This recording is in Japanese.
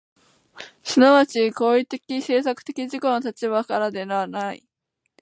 即ち行為的・制作的自己の立場からではない。